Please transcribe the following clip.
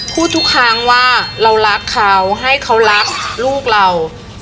ทุกครั้งว่าเรารักเขาให้เขารักลูกเรา